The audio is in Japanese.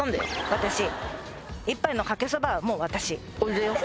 私一杯のかけそばはもう私俺だよ